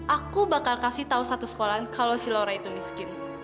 aku bakal kasih tahu satu sekolahan kalau si laura itu miskin